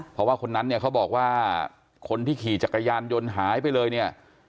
เพราะว่าคนนั้นเนี่ยเขาบอกว่าคนที่ขี่จักรยานยนต์หายไปเลยเนี่ย